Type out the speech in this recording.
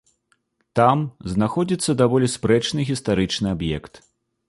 Там знаходзіцца даволі спрэчны гістарычны аб'ект.